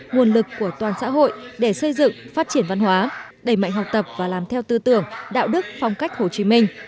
nguồn lực của toàn xã hội để xây dựng phát triển văn hóa đẩy mạnh học tập và làm theo tư tưởng đạo đức phong cách hồ chí minh